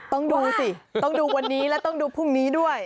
ต้องดูสิต้องดูวันนี้และต้องดูพรุ่งนี้ด้วย